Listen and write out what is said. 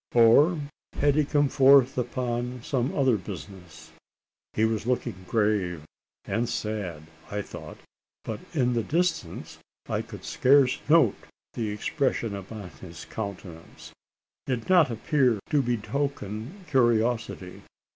Or had he come forth upon some other business? He was looking grave, and sad, I thought; but in the distance I could scarce note the expression upon his countenance. It did not appear to betoken curiosity.